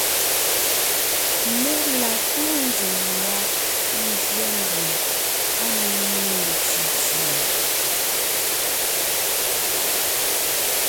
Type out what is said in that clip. Mé la kúu nzsèm ndá ńgyɛ́ mbɔ̀ɔn á ne ḿmi cʉ̀cʉ̀a;